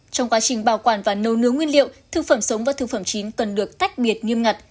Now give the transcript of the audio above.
trong quá trình bảo quản và nấu nướng nguyên liệu thực phẩm sống và thực phẩm chín cần được tách biệt nghiêm ngặt